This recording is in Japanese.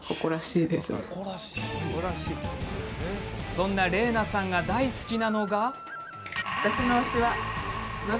そんな伶奈さんが大好きなのが。